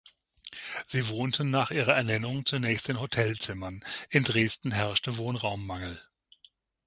Sie wohnten nach ihrer Ernennung zunächst in Hotelzimmern; in Dresden herrschte Wohnraummangel.